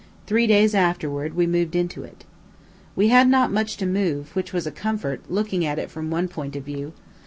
Three days afterward we moved into it. We had not much to move, which was a comfort, looking at it from one point of view.